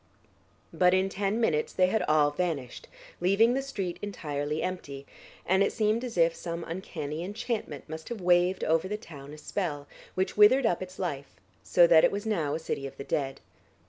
But in ten minutes they had all vanished, leaving the street entirely empty, and it seemed as if some uncanny enchantment must have waved over the town a spell, which withered up its life, so that it was now a city of the dead.